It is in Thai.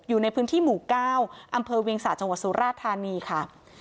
อยู่ในพื้นที่หมู่๙อำเภอเวียงสะจังหวัดสุราธานีค่ะ